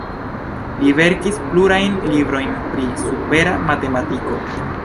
Li verkis plurajn librojn pri supera matematiko.